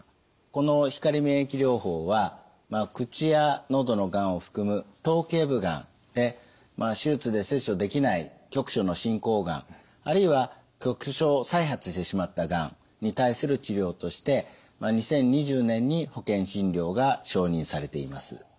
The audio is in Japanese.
この光免疫療法は口や喉のがんを含む頭頸部がんで手術で切除できない局所の進行がんあるいは局所再発してしまったがんに対する治療として２０２０年に保険診療が承認されています。